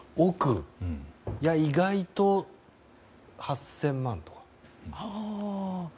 意外と８０００万とか。